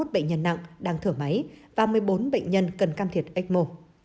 bốn trăm ba mươi một bệnh nhân nặng đang thử máy và một mươi bốn bệnh nhân cần cam thiệt ecmo